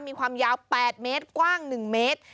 มีความยาว๘เมตรกว้าง๑เมตร